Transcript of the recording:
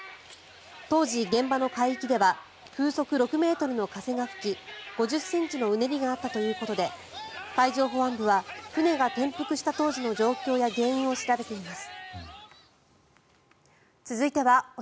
当時、現場の海域では風速６ｍの風が吹き５０ｃｍのうねりがあったということで海上保安部は船が転覆した当時の状況や原因を調べています。